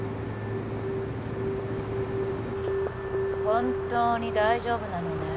本当に大丈夫なのね？